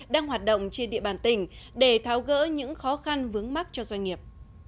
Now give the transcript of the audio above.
đang hoạt động trên địa bàn tỉnh để tháo gỡ những khó khăn vướng mắt cho doanh nghiệp